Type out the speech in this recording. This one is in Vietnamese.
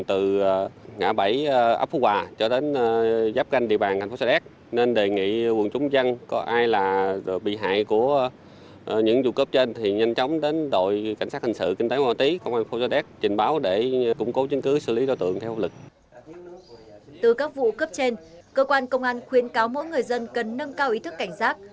từ các vụ cướp trên cơ quan công an khuyến cáo mỗi người dân cần nâng cao ý thức cảnh giác